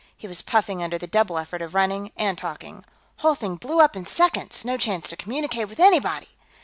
He was puffing under the double effort of running and talking. "Whole thing blew up in seconds; no chance to communicate with anybody...."